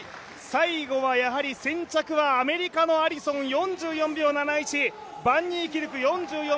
最後はやはり先着はアメリカのアリソン４４秒７１、バン・ニーキルク４４秒７５。